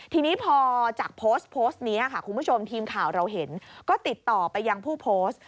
ทีนี้พอจากโพสต์โพสต์นี้ค่ะคุณผู้ชมทีมข่าวเราเห็นก็ติดต่อไปยังผู้โพสต์